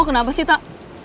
lo kenapa sih tak